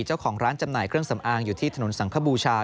เจ้าของร้านจำหน่ายเครื่องสำอางอยู่ที่ถนนสังคบูชา